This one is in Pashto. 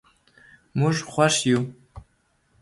موږ خوښ یو.